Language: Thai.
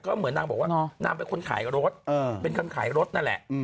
ก็เหมือนนางบอกว่านางเป็นคนขายรถเป็นคนขายรถนั่นแหละ